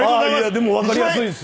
でもわかりやすいです。